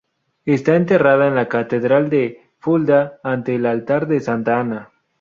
Está enterrada en la catedral de Fulda ante el altar de Santa Ana.